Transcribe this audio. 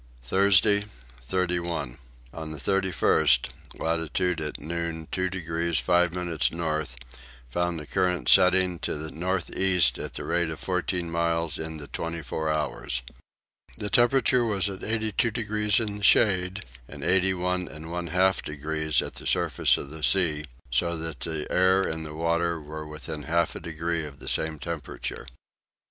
Thursday 31. On the 31st, latitude at noon 2 degrees 5 minutes north, found a current setting to the north east at the rate of fourteen miles in the twenty four hours. The thermometer was at 82 degrees in the shade, and 81 1/2 degrees at the surface of the sea, so that the air and the water were within half a degree of the same temperature.